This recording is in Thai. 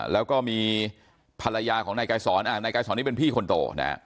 แล้วก็มีภรรยาของนายกายสอนนายกายสอนนี่เป็นพี่คนโตนะฮะ